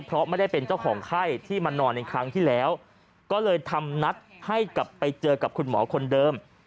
เพราะไม่ได้เป็นเจ้าของไข้ที่มานอนในครั้งที่แล้วก็เลยทำนัดให้กลับไปเจอกับคุณหมอคนเดิม